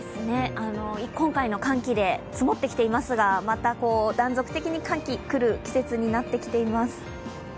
今回の寒気積もってきていますが、断続的に寒気が来る季節になっています。